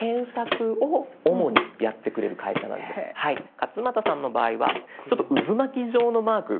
勝俣さんの場合はちょっと渦巻き状のマーク。